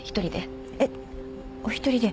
えっお一人で？